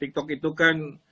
tiktok itu kan